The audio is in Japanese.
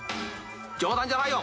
［冗談じゃないよ！